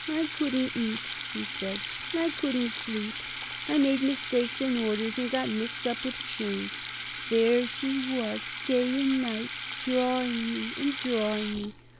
"I couldn't eat," he said, "I couldn't sleep. I made mistakes in orders and got mixed with change. There she was day and night, drawing me and drawing me.